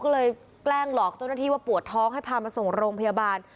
ก็เลยแกล้งหลอกเจ้าหน้าที่ว่าปวดท้องให้พามาส่งโรงพยาบาล